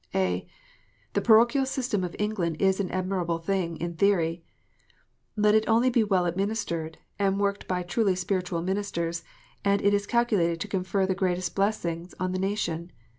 (a) The parochial system of England is an admirable thing in theory. Let it only be well administered, and worked by truly spiritual ministers, and it is calculated to confer the greatest blessings on the nation.